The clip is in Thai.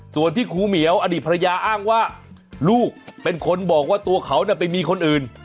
ส่วนที่ครูเหมียวอดีตภรรยาอ้างว่าลูกเป็นคนบอกว่าตัวเขาไปมีคนอื่น